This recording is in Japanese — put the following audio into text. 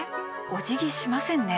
おじぎしませんね。